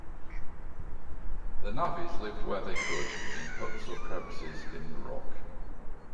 The navvies lived where they could, in huts or crevices in the rock.